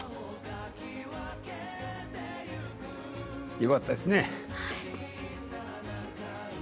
よかったですね。